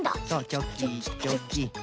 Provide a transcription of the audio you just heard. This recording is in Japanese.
チョキチョキ。